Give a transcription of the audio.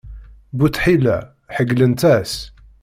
Bu tḥila, ḥeyylent-as.